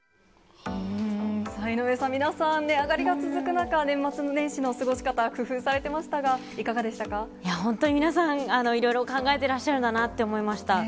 井上さん、皆さん、値上がりが続く中、年末年始の過ごし方、工夫されて本当に皆さん、いろいろ考えてらっしゃるんだなと思いました。